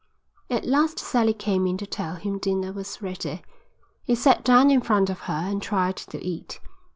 At last Sally came in to tell him dinner was ready. He sat down in front of her and tried to eat.